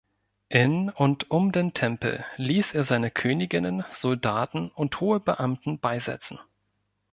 In und um den Tempel ließ er seine Königinnen, Soldaten und hohe Beamten beisetzen.